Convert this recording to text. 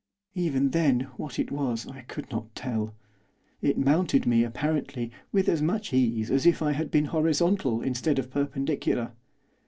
Even then what it was I could not tell, it mounted me, apparently, with as much ease as if I had been horizontal instead of perpendicular.